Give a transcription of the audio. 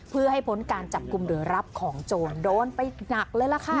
เพื่อให้พ้นการจับกลุ่มหรือรับของโจรโดนไปหนักเลยล่ะค่ะ